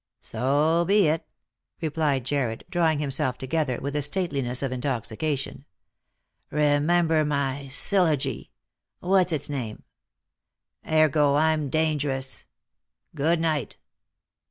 " So be it," replied Jarred, drawing himself together with the stateliness of intoxication. " Remember my syllogy — what's its name. Ergo, I'm dangerous. Good night."